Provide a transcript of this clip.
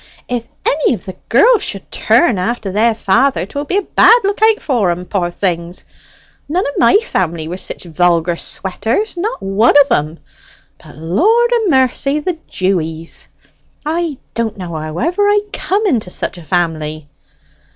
"If any of the girls should turn after their father 'twill be a bad look out for 'em, poor things! None of my family were sich vulgar sweaters, not one of 'em. But, Lord a mercy, the Dewys! I don't know how ever I cam' into such a family!"